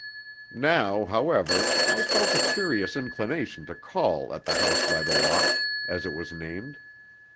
Now, however, I felt a curious inclination to call at the House by the Lock, as it was named.